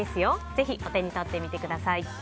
ぜひお手に取ってみてください。